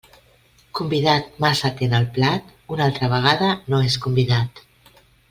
Convidat massa atent al plat, una altra vegada no és convidat.